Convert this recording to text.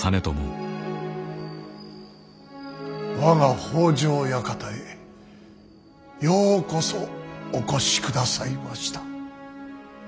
我が北条館へようこそお越しくださいました。